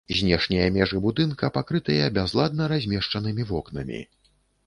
Знешнія межы будынка пакрытыя бязладна размешчанымі вокнамі.